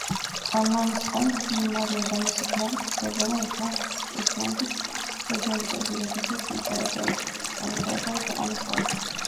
მამის თხოვნით მარია და მისი ქმარი ხდებოდნენ ესპანეთის რეგენტები, როდესაც იმპერატორი ქვეყანას ტოვებდა.